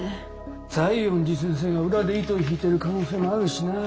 西園寺先生が裏で糸を引いてる可能性もあるしなあ。